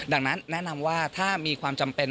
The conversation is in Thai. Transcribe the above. ดังนั้นแนะนำว่าถ้ามีความจำเป็น